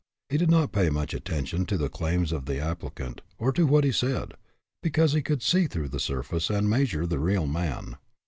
He did not pay much attention to the claims of the applicant, or to what he said, because he could see through the surface and measure the real man.